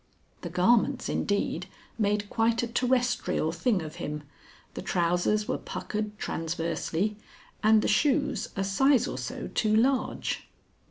The garments, indeed, made quite a terrestrial thing of him, the trousers were puckered transversely, and the shoes a size or so too large.